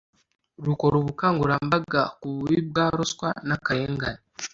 rukora ubukangurambaga ku bubi bwa ruswa n akarengane